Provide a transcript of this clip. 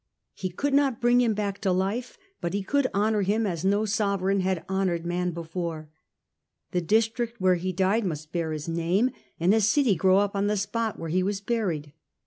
He could not bring him back to life, but he could honour him as no sovereign had honoured man before. The district where he died must bear his name, and a city grow on the spot where he was buried.